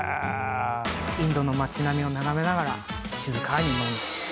インドの街並みを眺めながら静かに飲んで。